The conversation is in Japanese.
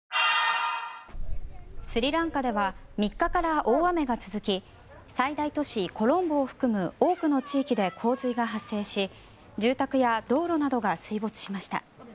スリランカでは３日から大雨が続き最大都市コロンボを含む多くの地域で洪水が発生し住宅や道路などが水没しました。